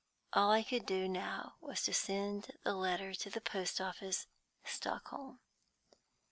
All I could do now was to send the letter to the post office, Stockholm.